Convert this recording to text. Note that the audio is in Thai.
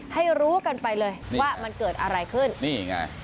ให้รู้กันไปเลยว่ามันเกิดอะไรขึ้นนี่ไง